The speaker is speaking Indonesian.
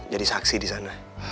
jadi saksi disana